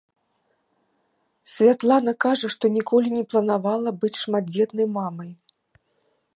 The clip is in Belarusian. Святлана кажа, што ніколі не планавала быць шматдзетнай мамай.